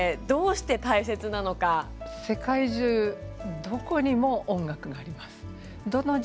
世界中どこにも音楽があります。